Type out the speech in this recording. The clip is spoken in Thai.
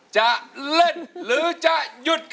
จะเล่นหรือจะหยุดครับ